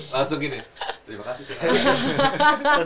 langsung gini terima kasih